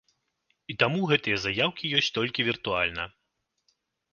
І таму гэтыя заяўкі ёсць толькі віртуальна.